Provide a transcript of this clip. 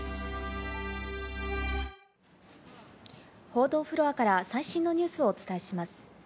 報道フロアから最新のニュースをお伝えします。